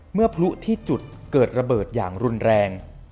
พลุที่จุดเกิดระเบิดอย่างรุนแรง